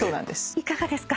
いかがですか？